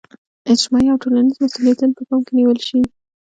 اجتماعي او ټولنیز مسولیتونه په پام کې نیول شي.